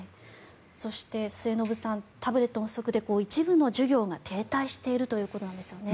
そして、末延さんタブレットの不足で一部の授業が停滞しているということなんですよね。